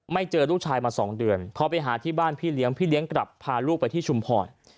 เจอลูกชายมา๒เดือนพอไปหาที่บ้านพี่เลี้ยงพี่เลี้ยงกลับพาลูกไปที่ชุมพร